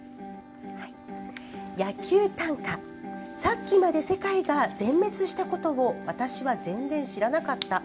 「野球短歌さっきまでセ界が全滅したことを私はぜんぜん知らなかった」